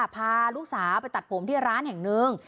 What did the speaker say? พาลูกสาวไปตัดผมที่ร้านแห่งหนึ่ง